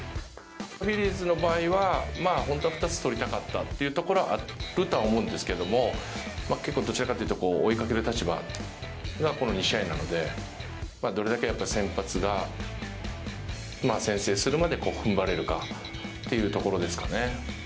フィリーズの場合は、本当は２つ取りたかったというところはあるとは思うんですけど結構どちらかというと追いかける立場がこの２試合なので、どれだけやっぱり先発が先制するまでふんばれるかっていうところですかね。